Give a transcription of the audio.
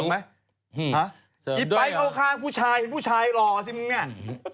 เสริมไหมอีไปร์เข้าข้างผู้ชายเห็นผู้ชายหรอสิมึงเนี่ย